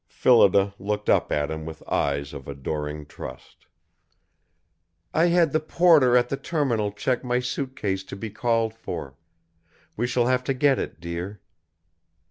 Phillida looked up at him with eyes of adoring trust. "I had the porter at the Terminal check my suitcase to be called for. We shall have to get it, dear."